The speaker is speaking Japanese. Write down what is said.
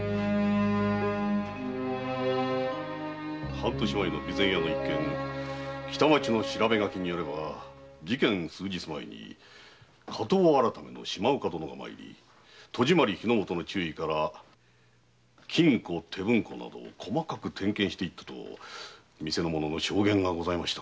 半年前の備前屋の一件北町の調書によれば事件の数日前に火盗改・島岡殿が参り戸締まり・火の元の注意や金庫などを細かく点検したと店の者の証言がございました。